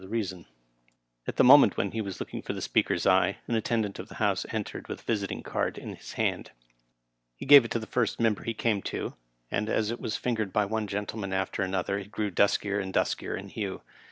179 At the moment when he was looking for the Speak er's eye, an attendant of the House entered with a yisit ing card in his hand. He gave it to the first member he came to, and as it was fingered by one gentleman after another it grew dnskier and duskier in hue.